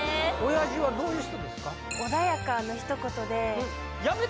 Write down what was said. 親父はどういう人ですか？